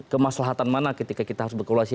kemaslahatan mana ketika kita harus berkolaborasi